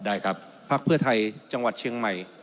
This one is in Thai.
ได้ครับพักเพื่อไทยจังหวัดเชียงใหม่